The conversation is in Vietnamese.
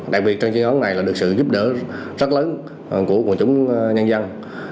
đặc biệt chiến án này được sự giúp đỡ rất lớn của quân chủ nhân dân